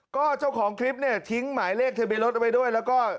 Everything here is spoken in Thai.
ก็เจ้าของคลิปนี่ทิ้งหมายเลขเทมีรถเอาไปด้วยแล้วก็